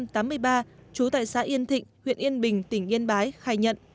trú tại xã yên thịnh huyện yên bình tỉnh yên bái khai nhận